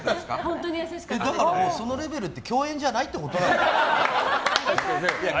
そのレベルって共演じゃないってことなのよ。